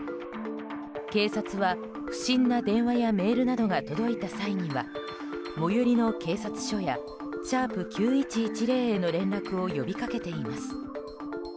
警察は不審な電話やメールなどが届いた際には最寄りの警察署や＃９１１０への連絡を呼びかけています。